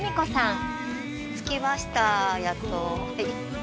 着きましたやっと。